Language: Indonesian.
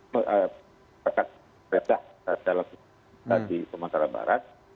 misalkan desa di sumatera barat